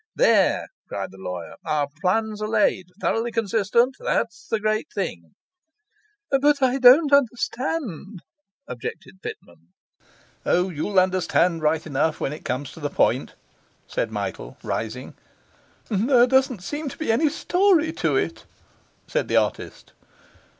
'There!' cried the lawyer. 'Our plans are laid. Thoroughly consistent that's the great thing.' 'But I don't understand,' objected Pitman. 'O, you'll understand right enough when it comes to the point,' said Michael, rising. 'There doesn't seem any story to it,' said the artist.